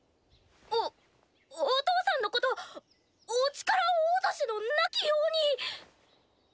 おお父さんのことお力落としのなきように。